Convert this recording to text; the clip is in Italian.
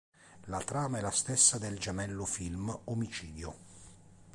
La trama è la stessa del gemello film Omicidio!.